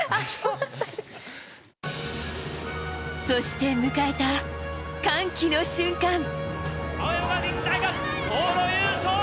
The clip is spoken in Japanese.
そして迎えた歓喜の瞬間。